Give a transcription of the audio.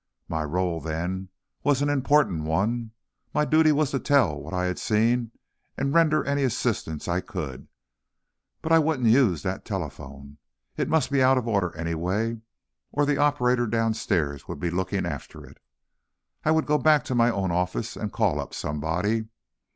My rôle, then, was an important one. My duty was to tell what I had seen and render any assistance I could. But I wouldn't use that telephone. It must be out of order, anyway, or the operator downstairs would be looking after it. I would go back to my own office and call up somebody.